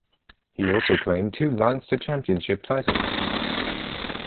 He also claimed two Leinster Championship titles.